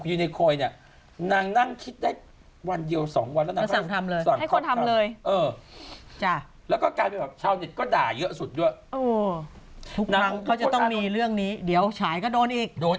ก็กำเจอเท่านี้ก็ด่าเยอะสุดด้วยเกี่ยวขายกับโดนอีกโดน